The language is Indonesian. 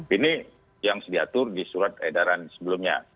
ini yang diatur di surat edaran sebelumnya